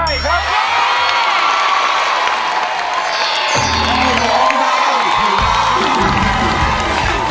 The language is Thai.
หกหมื่นบาท